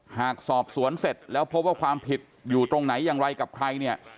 หากสอบสวนเสร็จแล้วพบว่าความผิดอยู่ตรงไหนอย่างไรกับใครเนี่ย